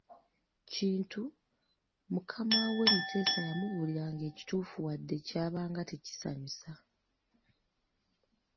Kintu, mukamawe Muteesa yamubuliranga ekituufu wadde kyabanga tekisanyusa.